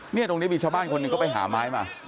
ตรงนี้มีชาวบ้านคนหนึ่งก็ไปหาไม้มา